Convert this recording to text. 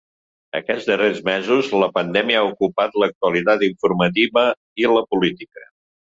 Aquests darrers mesos, la pandèmia ha ocupat l’actualitat informativa i la política.